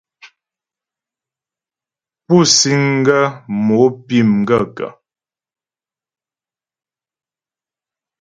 Pú síŋ ghə́ mo pí m gaə̂kə́ ?